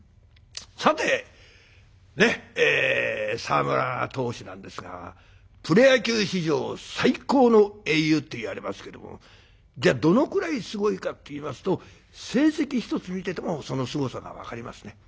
さて沢村投手なんですがプロ野球史上最高の英雄っていわれますけどもじゃあどのくらいすごいかっていいますと成績一つ見ててもそのすごさが分かりますね。